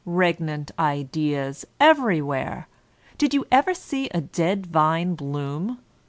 Regnant ideas, everywhere I Did you ever see a dead vine bloom?